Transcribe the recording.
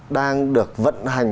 đang được vận hành